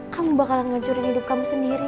kamu bakalan ngancurin hidup kamu sendiri